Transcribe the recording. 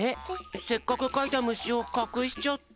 せっかくかいたむしをかくしちゃった。